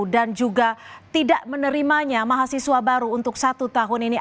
dan juga tidak menerimanya mahasiswa baru untuk satu tahun ini